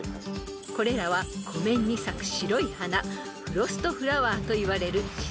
［これらは湖面に咲く白い花フロストフラワーといわれる自然現象です］